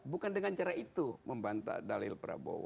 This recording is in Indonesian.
bukan dengan cara itu membantah dalil prabowo